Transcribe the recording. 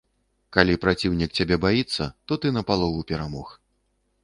Калі праціўнік цябе баіцца, то ты напалову перамог.